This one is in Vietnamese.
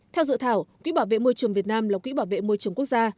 theo dự thảo quỹ bảo vệ môi trường việt nam là quỹ bảo vệ môi trường quốc gia